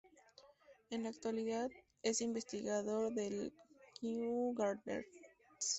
En la actualidad es investigador del Kew Gardens.